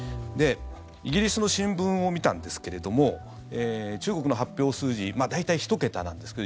イギリスの新聞を見たんですが中国の発表数字大体１桁なんですけど。